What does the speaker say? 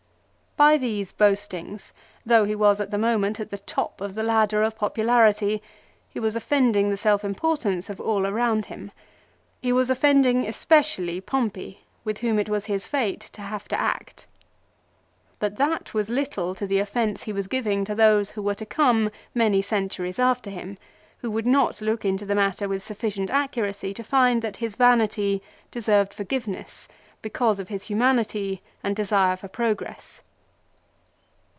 By these boastings, though he was at the moment at the top of the ladder of popularity, he was offending the self importance of all around him. He was offending especially Pompey with whom it was his fate to have to act. 1 But that was little to the offence he was giving to those who were to come many centuries after him, who would not look into the matter with sufficient accuracy to find that his vanity deserved forgiveness, because of his humanity and desire for progress.